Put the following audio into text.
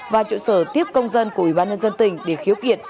và trụ sở tiếp công dân của ủy ban nhân dân tỉnh để khiếu kiện